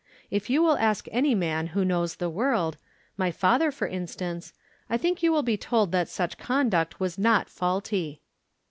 If you will ask any man who knows the world, my father, for instance, I think you will be told that such conduct was not faulty.